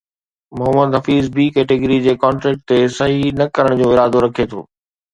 Muhammad Hafeez B category جي contract تي صحيح نه ڪرڻ جو ارادو رکي ٿو